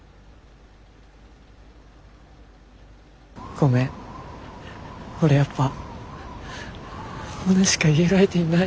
ごめん俺やっぱモネしか言える相手いない。